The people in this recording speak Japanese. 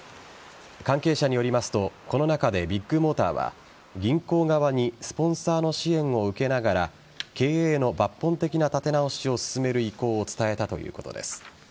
関係者によりますとこの中で、ビッグモーターは銀行側にスポンサーの支援を受けながら経営の抜本的な立て直しを進める意向を伝えたということです。